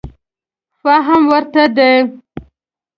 فهم ورته دی.